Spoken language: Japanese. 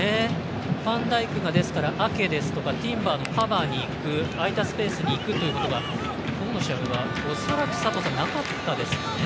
ファンダイクがアケですとかティンバーのカバーにいく空いたスペースにいくというところは今日の試合は恐らく、佐藤さんなかったですよね。